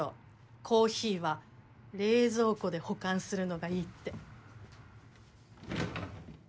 コーヒーは冷蔵庫で保管するのがいいって。